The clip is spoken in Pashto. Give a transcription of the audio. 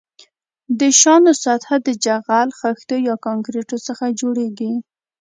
د شانو سطح د جغل، خښتو یا کانکریټو څخه جوړیږي